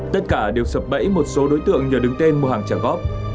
tất cả đều sập bẫy một số đối tượng nhờ đứng tên mua hàng trả góp